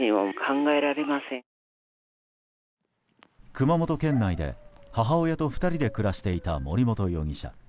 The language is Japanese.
熊本県内で母親と２人で暮らしていた森本容疑者。